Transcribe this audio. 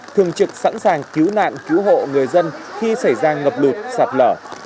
thường trực sẵn sàng cứu nạn cứu hộ người dân khi xảy ra ngập lụt sạt lở